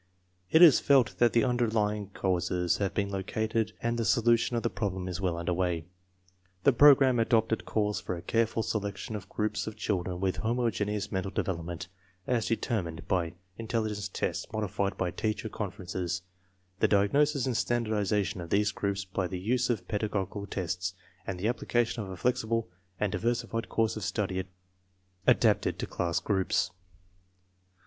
It is felt that the underlying causes have been located and that the solution of the problem is well under way. The program adopted calls for a careful selection of groups of children with "homo geneous mental development " as determined by intelli gence tests modified by teacher conferences; the diag nosis and standardization of these groups by the use of pedagogical tests; and the application of a flexible and diversified course of study adapted to class groups.